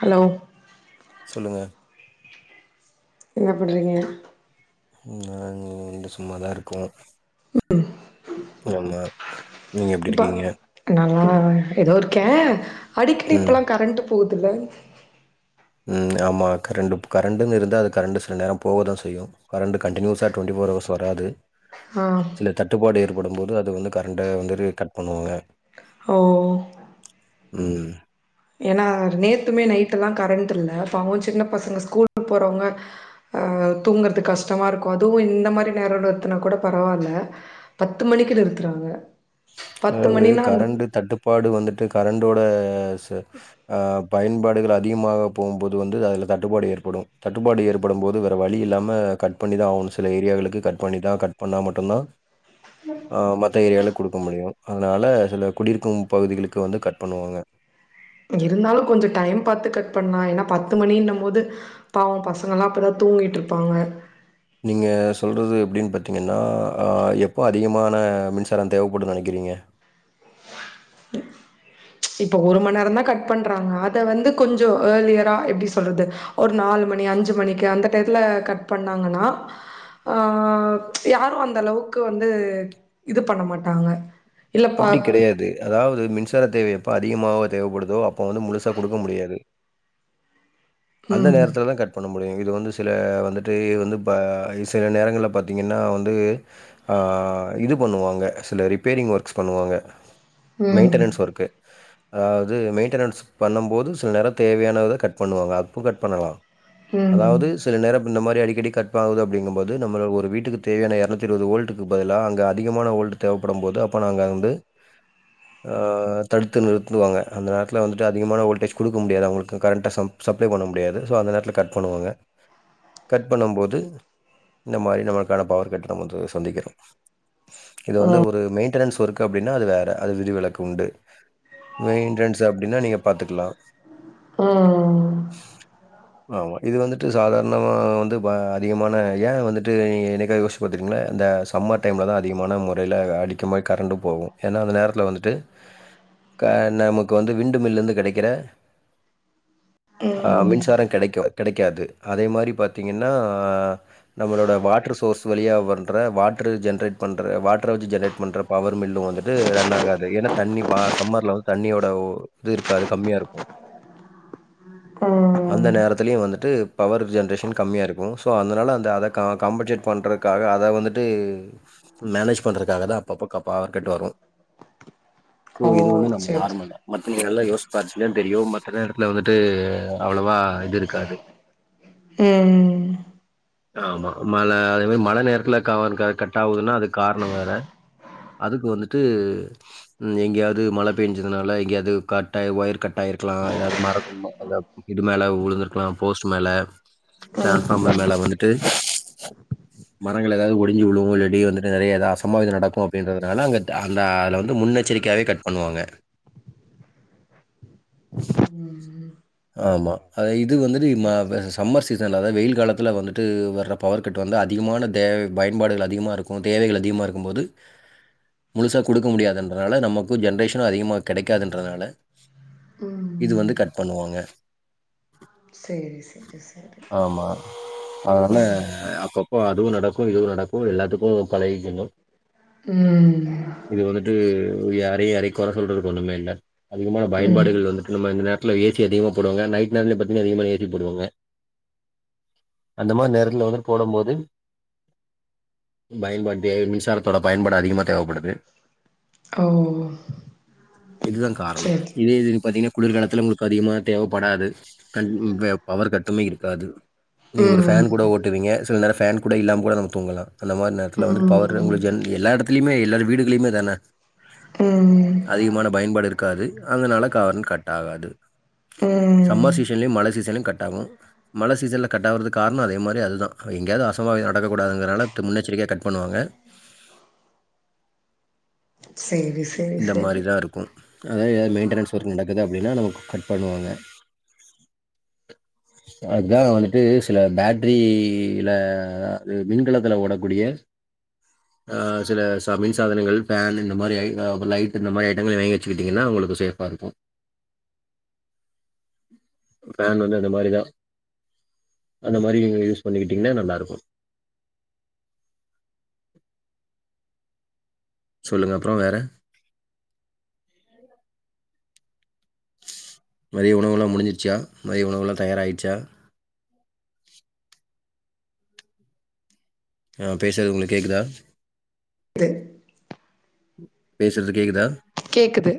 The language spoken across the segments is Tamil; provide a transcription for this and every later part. ஹலோ சொல்லுங்க என்ன பண்றீங்க? நானீன்டு சும்மாதா இருக்கோ‌ ஆமா நீங்க எப்டி இப்ப இருக்கீங்க? நானா ஏதோ ஒ கே அடிக்கடி ம். இப்பல்லா கரண்டு புதுல ம் ஆமா கரண்டு கரண்டுன்னு இருந்தா அது கரண்டண்டு சில நேரம் போவ தா செய்யு கரண்ட் கண்டினியூஸா டுவெண்ட்டி ஃபோர் ஹவர்ஸ் வராது ஆ சில தட்டுப்பாடு இருக் போடும்போது அது வந்து கரண்ட வந்துடு கட் பண்ணுவாங்க ஓ ம் ஏன்னா நேத்துமே நைட் எல்லா கரண்ட் இல்ல பாவோ சின்ன பசங்க ஸ்கூல்க்கு போறவங்க அ தூங்குறது கஷ்டமா இருக்கு அதுவு இந்த மாரி நேரோத்துனா கூட பரவாயில்ல பத்து மணிக்கு நிறுத்துறாங்க பத்து அது மணினா அந்த கரண்டு தட்டுப்பாடு வந்துட்டு கரண்ட் டோட ச அ பயன்பாடுகள் அ அதிகமாக போம்போது வந்து அதுல தட்டுப்பாடு ஏற்படு தட்டுப்பாடு ஏற்படும் போது வேற வழி இல்லாம கட் பண்ணிதா ஆவுனு சில ஏரியாளுக்கு கட் பண்ணிதா கட் பண்ணா மட்டுதா ஆ மத்த ஏரியாலக் குடுக்க முடியு அதனால சில குடியிருக்கும் பகுதிகளுக்கு வந்து கட் பண்ணுவாங்க இருந்தாலு கொஞ்சோ டைம் பாத்து கட் பண்ணா ஏன்னா பத்து மணினும் போது பாவோ பசங்க எல்லா அப்பதா தூங்கிட்டு இருப்பாங்க நீங்க சொல்றது எப்பிடின் பாத்தீங்கன்னா ஆ எப்ப அதிகமான மின்சாரம் தேவைப்படுன்னு நெனைக்கிறீங்க. இப்ப ஒரு மணிநேரோ தா கட் பண்றாங்க அத வந்து கொஞ்சோ ஏர்லியரா எப்பிடி சொல்றது ஒரு நாலு மணி அஞ்சு மணிக்கு அந்த டயத்துல கட் பண்ணாங்கன்னா ஆ யாரு அந்த அளவுக்கு வந்து இது பண்ண மாட்டாங்க இல்லப்பா அப்பிடி கெடையாது அதாவது மின்சார தேவை எப்ப அதிகமாக தேவைப்படுதோ அப் ப்போ வந்து முழுசா கொடுக்க முடியாது அந்த ம் நேரத்துல தா கட் பண்ண முடியு இது வந்து த்துல வந்துட்டு இது வந்து பா இ சில நேரங்கள பாத்தீங்கன்னா வந்து ஆ இது பண்ணுவாங்க சில ரிப்பேரிங் ஒர்க்ஸ் பண்ணுவாங்க ம் மெயின்டனன்ஸ் ஒர்க்கு அதாவது மெயின்டெனன்ஸ் பண்ணும்போது சில நேரோ தேவையானத கட் பண்ணுவாங்க ப்பு கட் பண்ணலா ம் அதாவது சில நேரோ இந்த மாதிரி அடிக் டி டிகட் ஆவுது அப்பிடிங்கு போது நம்மள ஒரு வீட்டுக்கு தேவையான இரனுத்தி இருவது வொல்ட்டுக்கு பதிலா அங்க அதிகமான வொல்ட் தேவைப்படு போது அப்ப நா வந்து ஆ தடுத்து நிறுத்துவாங்க அந்த நேரத்துல வந்துட்டு அதிகமான வொடேஜ் குடுக்க முடியாது அவுங்களுக்கு கரண்ட் சம் சப் ப்ளே பண்ண முடியாது சோ அந்த நேரத்தில கட் பண்ணுவாங்க கட் பண்ணும்போது இந்த மாரி நம்மளுக்கான பவர் கட் நம்ம வந்து சந்திக்கிறோ. இது வந்து ஒரு மெயின்டனன்ஸ் ஒர்க் கப் பிடின்னா அது வேற அது விதிவிளக்கு உண்டு மெயின்டன்ஸ் அப்பிடின்னா நீங்க பாத்துக்கலா [unintelligible] ஆமா இது வந்துட்டு சாதாரணமா வந்து ப அதிகமான ஏ வந்துட்டு நீங்க என்னைக்காது யோசிச்சுப்பாத்துருகீங்களா இந்த சம்மர் டைம்ல தா அதிகமான முறைல அடிக்க மாரி கரண்டு போவும் ஏனா அந்த நேரத்துல வந்துட்டு க ந நமக்கு வந்து விண்டு மில்லருந்து கெடைக்கிற ஆ ம் மின்சாரன் கெடைக்கும் கெடைக்காது அதே மாரி பாத்தீங்கன்னா நம்மளோட வாட்டர் சோர்ஸ் வெளியா பண்ற வாட்ரு ஜென்ரேட் பண்ற வாட்டர வச்சு ஜென்ரேட் பண்ற பவர் மில்லும் வந்துட்டு ரன் ஆகாது ஏனா தண்ணி வா சம்மர்ல வந்து தண்ணியோட வு இது இருக்காது கம்மியாருக்கும் அந்த ம் நேரத்திலியு வந்துட்டு பவர்ரு ஜென்ரேஷன் கம்மியா இருக்கும் சோ அதனால அந்த அத கா காம்பன்சேட் பண்றதுக்காக அத வந்துட்டு மேனேஜ் பண்றதுக்காக தா அப்பப்போ கா பவர் கட் வரும் சோ ஓ இது வந்து நம்ம சேரி சேரி நார்மல் தா மத் நீங்க நல்லா யோசுப்பாச்சுங்னா தெரியு மத்த நேரத்துல வந்துட்டு அவ்ளவா இது இருக்காது ம் ம் ம் ஆமா மழ அதே மாரி மழ நேரத்துல காவன் கட் கட்டாவுதுன்னா அதுக் காரணோ வேற அதுக் வந்துட்டு எங்கேயாது மழ பெயஞ்சதுனால எங்கேயாது கட்டாய் ஒயர் கட்டாயிருக்கலா ஏதாவது மரத்து [unintelligible] மேல இது மேல உழுந்திருக்கலா போஸ்ட் மேல ம் டிரான்ஸ்பார்மர் மேல வந்துட்டு மரங்கள் ஏதாது ஒடிஞ்சு உழும் இல்லாடி வந்துட்டு நறைய ஏதா அசம்பாவிதம் நடக்கும் அப்டின்றதுனால அங்க அந்த அதுல வந்து முன்னெச்சரிக்காவே கட் பண்ணுவாங்க ம் ஆமா அது இது வந்துட்டுமா சேரி சேரி வ சம்மர் சீசன்ல அதாவது வெயில் காலத்துல வந்துட்டு வர்ற பவர் கட் வந்து அதிகமான தேவை பயன்பாடுகள் அதிகமாருக்கும் தேவைகள் அதிகமா இருக்கும் போது முழுசாக குடுக்க முடியாதுன்றனால நமக்கும் ஜென்ரேஷனும் அதிகமா கெடைக்காதுன்றதுனால இது வந்து ம் கட் பண்ணுவாங்க சேரி சேரி சேரி ஆமா அதனால ம் அப்பப்போ அதுவு நடக் க்கு இதுவு நடக்கும் எல்லாத்துக்கும் பழகிகனு ம் இது வந்துட்டு [unintelligible] யாரை யாரையும் கொற சொல்றதுக்கு ஒண்ணுமே இல்ல அதிகமான ம். பயன்பாடுகள் வந்துட்டு நம்ம இந்த நேர த்ல ஏ சி அதிகமாப் போடுவாங்க நைட் நேரத்துல பாத்தீங்கன்னா அதிகமா ஏசி போடுவாங்க அந்த மாரி நேரத்துல வந்து போடும் போது பயன்படுத்திய மின்சாரத்தோட பயன்பாடு அதிகமா தேவப்படும் வே ஓ! இதுதா காரணோ சரி. இதே இது பாத்திங்னா குளிர்காலத்துல உங்ளுக் அதிகமான் தேவப்படாது கண் வ பவர் கட்டுமே இருக்காது நீங்க ஒரு ம். ஃபேன் கூட ஓட்டுவீங்க சில நேர ஃப் ஃபேன் கூட இல்லாம கூட நம்ம தூங்கலா அந்த மாரி நேரத்துல வந்துட்டு பவர்ரு ம். உங்ளுக் ஜென் எல்லா எடத்துலியுமே எல்லா வீடுகளியுமே அதான ம். அதிகமான பயன்பாடு இருக்காது அதனால கவன் கட் ஆகாது ம். சம்மர் சீசன்லயும் மழ சீசன்லயும் கட் ஆகும் மழ சீசன்ல கட் ஆவுறதுக் காரணோ அதே மாரி அதுதா எங்கேயாது அசம்பாவிதம் நடக்க கூடாதுங்கனால து முன்னெச்சரிக்கைய கட் பண்ணுவாங்க சரி, சரி, இந்த மாரி சரி. தா இருக்கும் அதா ஏ மெயின்டனன்ஸ் ஒர்க் நடக்குது அப்டினா நமக்கு கட் பண்ணுவாங்க அதா வந்துட்டு சில பேட்டரி யில அது மின்கலத்துல ஓடக்கூடிய ஆ சில சா மின் சாதனங்கள் ஃபேனு இந்த மாரி ஐ ஆ அப்றோ லைட்டு இந்த மாரி ஐட்டங்கள வாங்கி வச்சுக்கிட்டீங்கனா உங்ளுக்கு சேஃப்பா இருக்கும் ஃபேன் வந்து அந்த மாரி தா அந்த மாரி நீங்க யூஸ் பண்ணிக்கிட்டீங்கனா நல்லாருக்கும் சொல்லுங்க அப்றோ வேற மதிய உணவெல்லா முடிஞ்சிருச்சா மதிய உணவு எல்லா தயாராடுச்சா நா பேசுறது உங்ளுக் கேக்குதா து பேசுறது கேக்குதா கேக்குது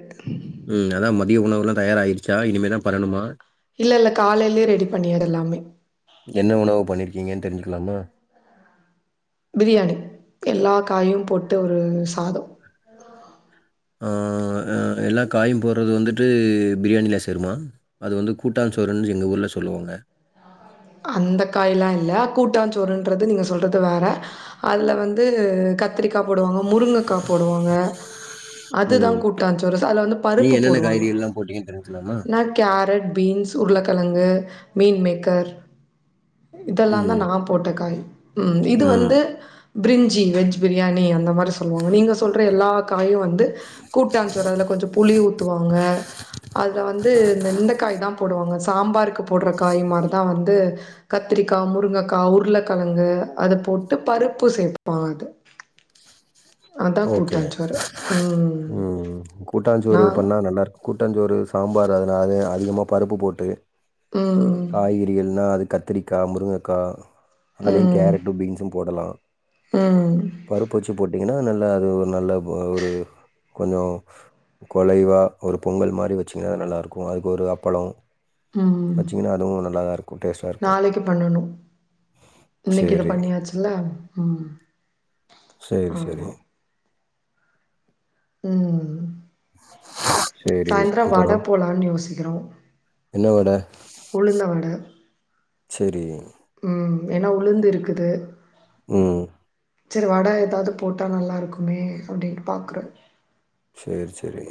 ம். அதான் மதிய உணவுலா தயார் ஆயிருச்சா இனிமே தா பண்ணணுமா இல்ல இல்ல காலேலயே ரெடி பண்ணிடு எல்லாமே என்னனு தெரிஞ்சிக்கலாமா பிரியாணி எல்லா காயும் போட்டு ஒரு சாதம் ஆ எல்லா காயும் போடுறது வந்துட்டு பிரியாணிலா சேருமா அது வந்து கூட்டான் சோறுன்னு எங்க ஊர்ல சொல்லுவாங்க அந்த காயல்லா இல்ல கூட்டாஞ்சோறுன்றது நீங்க சொல்றது வேற அதில வந்து கத்திரிக்கா போடுவாங்க முருங்கக்கா போடுவாங்க அதுதா ம். கூட்டாஞ்சோறு அதுல வந்து நீங்க பருப்பு என்னென்ன போடுவாங்க காய்கறிகள்லாம் போட்டீங்கன்னு தெரிஞ்சுக்கலாமா? நா கேரட் பீன்ஸ் உருளக்கெழங்கு மீன் மேக்கர் இதெல்லா தா ம். நா போட்ட காய் உம் இது ம். வந்து பிரிஞ்சி வெஜ் பிரியாணி அந்த மாதிரி சொல்லுவாங்க நீங்க சொல்ற எல்லா காய வந் கூட்டாஞ்சோறு அதுல கொஞ்ச புளி ஊத்துவாங்க அதுல வந்து இந்த இந்த காய் தா போடுவாங்க சாம்பாருக்கு போடுற காய் மாரி தா வந்து இது கத்திரிக்கா முருங்கக்கா உருளக்கெழங்கு அத போட்டு பருப்பு சேர்ப்பாங்க அது அதான் ஓகே கூட்டாஞ்சோறு. ம். உம் கூட்டாஞ்சோறு நான் பண்ணா நல்லா இருக்கு கூட்டாஞ்சோறு சாம்பார் அதனால அது அதிகமா பருப்பு போட்டு ம். காய்கறி எல்லா அதுக்கு கத்திரிக்கா முருங்கக்கா அதுலயு ம். கேரட்டும் பீன்ஸும் போடலா ம். பருப்பு வச்சு போட்டு நல் அது ஒரு நல்ல ஒரு கொஞ்சோ கொலைவா ஒரு பொங்கல் மாரி வச்சிங்னா நல்லா இருக்கு அதுக்கு ஒரு அப்பளோ உம் டேஸ்ட்டா இருக்கும். நாளைக்கு பண்ணணு இன்னைக்கு இத சரி, பண்ணியாச்சுல உம் சேரி சேரி உம் சரி. சாய்ந்துரேம் வட அப்புறம் போலான் யோசிக்குறோம் என்ன வட உளுந்த வடை செரி ம் ஏனா உளுந்து இருக்குது ம் சரி வடை ஏதாவுது போட்டா நல்லாருக்குமே அப்புடின் பாக்குறே சேர் சேரி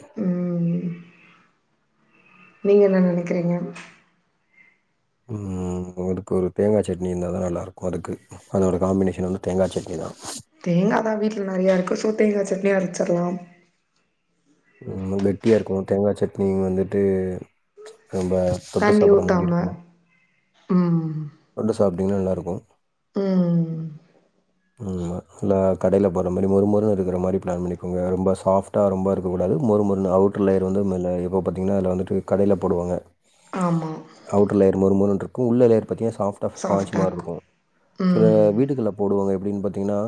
நீங்க என்ன நெனக்கிறீங்க ம் அதுக்கு ஒரு தேங்கா சட்னி இருந்தா தா நல்லாருக்கும் அதுக்கு அதோட காம்மினேஷன் வந்து தேங்கா சட்னி தான் தேங்கா தா வீட்ல நெறைய இருக்கு சோ தேங்கா சட்னி அரைச்சர்லாம் நீங்ளே கெட்டியா இருக்கனு தேங்கா சட்னி வந்துட்டு ரொம்ப தொட்டு தண்ணி சாப்புற மாரி ஊத்தாம இருக்கணு ம் தொட்டு சாப் இன்னு நல்லாருக்கும் ம் ம்மா லா கடைல போற மாரி மொரறு மொறுன் இருக்கற மாரி பிளான் பண்ணிக்கோங்க ரொம்ப சாப்டா ரொம்ப ருக் கூடாது மொருமொருன் அவுட்ரு லேயர் வந்து நல்லா இப்ப பத்திங்னா அதுல வந்துட்டு கடைல போடுவாங்க ஆமா. அவுட்ரு லேயர் மொறு மொறுன் இர்க்கு உள்ள வேர் பத்தினா சாப்டா ஸ்பாஞ்ச் மார் இருக்கும் சில ம் வீடுகள் போடுவாங்க அப்டின் பாத்தீங்கனா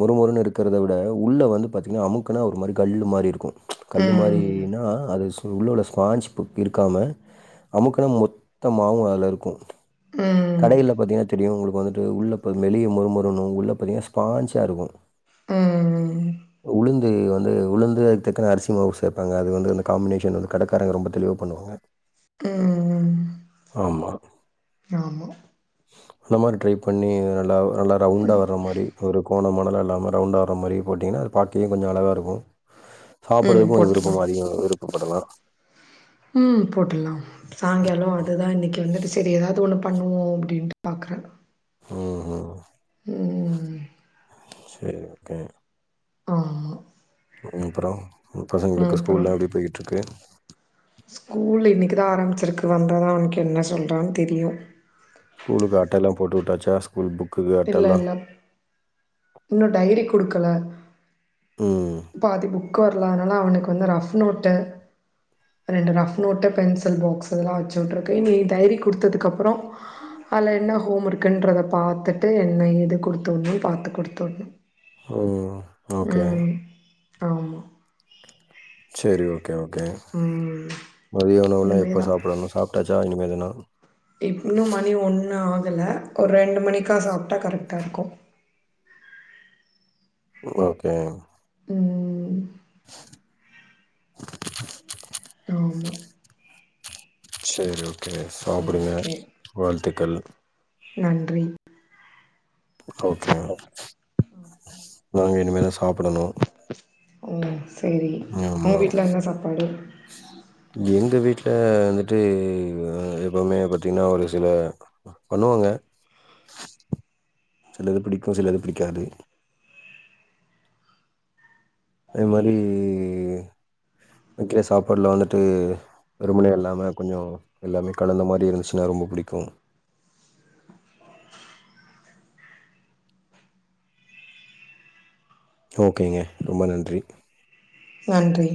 மொறு மொறுன் இருக்கறத விட உள்ள வந்து பாத்தீங்கன்னா அமுக்னா ஒரு மாரி கல்லு மாரிரு கல்லு ம் மாரினா அது சு உள்ளவுல ஸ்பாஞ்ச் இருக்காம அமுக்குனா மொத்தமா மாவும் அதுல இருக்கும் ம் கடையில பாத்தீங்கன்னா தெரியு உங்களுக் இப்போ வந்துட்டு உள்ள மெளிய மொறு மொறுணு உள்ள பாத்திங்கன்ன ஸ்பான்ஞ்சா இருக்கு ம் உள்ளய் ம் வந்து உளுந்து தக்கன அரிசி மாவு சேப்பாங்க அது வந்துந்த காமினேஷன் வந்து கடைக்காரங்க ரொம்ப தெளிவு பண்ணுவாங்க ம் ஆமா ஆமா. அந்த மாரி ட்ரை பண்ணி நல்லாவ் நல்லா ரவுண்டா வர்ற மாரி ஒரு கோணமா அதல்லா இல்லாம ரவுண்ட வர்ற மாரி போடீங்கன்னா அது பாக்கவே கொஞ்ச அழகாக இருக்கும் ம் சாப்புறதுக்கு கொஞ்ச போட்றலாம். விருப்பம் அதிகம் விரு படலாம் ம் போட்டுலாம் சாயங்காலம் அதுதான் இன்னைக்கு வந்துட்டு சரி எதாவது ஒண்ணு பண்ணுவோம் அப்படின்ட்டு பாக்கறேன் ம்ஹ்ம். ம் செரி ஓகே ஆமா ம் அப்பறம் உங்க பசங்களுக்கு ஸ்கூல்லாம் எப்டி போயிட்டு இருக்கு ஸ்கூல்ல இன்னைக்குதான் ஆரம்பிச்சிருக்கு வந்தாதா அவனுக்கு என்ன சொல்றான்னு தெரியும் ஸ்கூலுக்கு அட்டைலாம் போட்டு உட்டாச்சா ஸ்கூல் புக் இல்ல இல்ல இன்னும் டைரி குடுக்கல ம். பாதி புக்கு வரல அதனா ல அவனுக்கு வந்து ரஃப் நோட்டு ரெண்டு ரஃப் நோட்டு பென்சில் பாக்ஸு அதுலாம் வச்சுட்டுருக்கு இனி டைரி குடுத்ததுக்கப்புறம் அதல என்ன ஹோம் ஒர்க்கன்றத பாத்து ட்டு என்ன ஏது குடுத்து உணும் பாத்து குடுத்து உணும் ம் ஓகே ஆமா தெரியு ஓகே ஓகே ம். மதிய உணவுல்லாம் எப்ப இனிமேதா சாப்படணும் சாப்ட்டாச் சா இனிமேதான இப்பன்னும் மணி ஒண்ணு ஆகல ஒரு ரெண்டு மணிக்கா சாப்ட்டா கரெட்டா இருக்கும் ம் ஓகே ம் ம் [inaudible] ம் ம் செரி ஓ செரி சாப்டுங்க ஓகே வாழ்த்து க்கள் நன்றி ஓகே நாங்க இனிமேதான் சாப் பன்னனும் ம் செரி உங்க வீட்ல என்ன சாப்பாடு து வீட்ல வந்துட்டு எப்பவுமே பாத்தீங்கன்னா ஒரு சில பண்ணுவாங்க சிலது பிடிக்கும் சிலது பிடிக்காது அதே மாதிரி சமக்கிற சாப்பாடுலா வந்துட்டு வெறுமனே இல்லாம கொஞ்சோ எல்லாமே கலந்த மாரி இருந்துச்சின்னா ரொம்ப பிடிக்கும் ஓகேங்க ரொம்ப நன்றி நன்றி